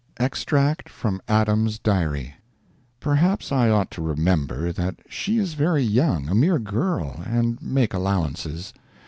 EXTRACT FROM ADAM'S DIARY Perhaps I ought to remember that she is very young, a mere girl and make allowances.